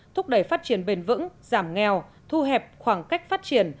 thúc đẩy phát triển bền vững giảm nghèo thu hẹp khoảng cách phát triển